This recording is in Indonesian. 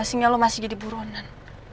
jadi situasinya lo masih jadi buruanan